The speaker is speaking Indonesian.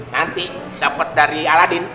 nanti dapet dari aladin